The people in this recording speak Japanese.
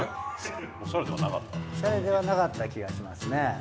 オシャレではなかった気がしますね。